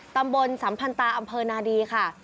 ตำบลสัมพันธ์ตาอำเภิราณาธิฯค่ะ